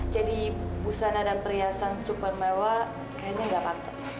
jadi busana dan perhiasan super mewah kayaknya gak patas